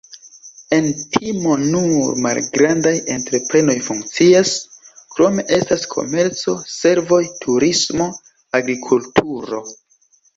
En Timon nur malgrandaj entreprenoj funkcias, krome estas komerco, servoj, turismo, agrikulturo.